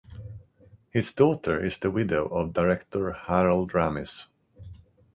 His daughter is the widow of director Harold Ramis.